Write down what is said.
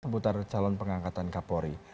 seputar calon pengangkatan kapolri